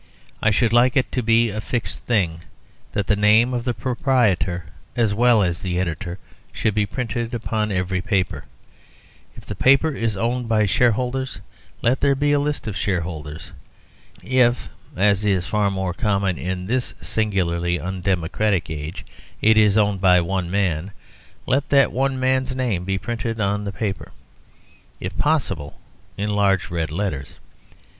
I should like it to be a fixed thing that the name of the proprietor as well as the editor should be printed upon every paper. If the paper is owned by shareholders, let there be a list of shareholders. If (as is far more common in this singularly undemocratic age) it is owned by one man, let that one man's name be printed on the paper, if possible in large red letters.